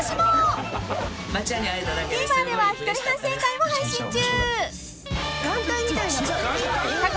［ＴＶｅｒでは一人反省会も配信中］